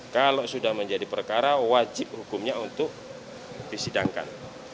kalau sudah menjadi perkara wajib hukumnya untuk disidangkan